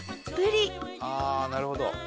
ああなるほど。